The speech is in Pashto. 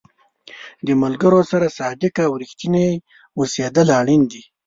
د ملګرو سره صادق او رښتینی اوسېدل اړین دي.